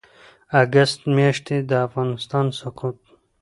اګسټ میاشتې د افغانستان سقوط